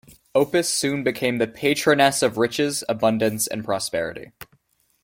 Opis soon became the patroness of riches, abundance, and prosperity.